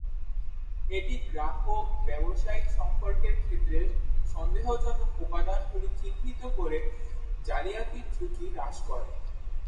এটি গ্রাহক-ব্যবসায়িক সম্পর্কের ক্ষেত্রে সন্দেহজনক উপাদানগুলি চিহ্নিত করে জালিয়াতির ঝুঁকি হ্রাস করে।